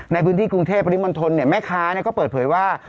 ในพื้นที่กรุงเทพฯปฏิบันทนเนี่ยแม่ค้าเนี่ยก็เปิดเผยว่า